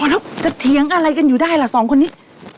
แล้วจะเถียงอะไรกันอยู่ได้ล่ะสองคนนี้